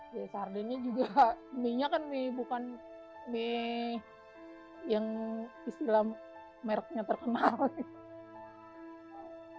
ya sardennya juga minyak kan bukan yang istilah merknya terkenal